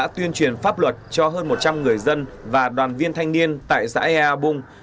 tuyên truyền pháp luật cho hơn một trăm linh người dân và đoàn viên thanh niên tại xã ea bung